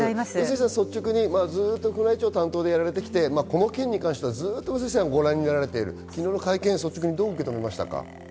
率直に、ずっと宮内庁担当でやられてきて、この件に関してご覧になられている昨日の会見、率直にどう受け止められましたか？